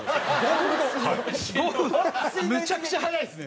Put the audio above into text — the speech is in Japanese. めちゃくちゃ早いですね。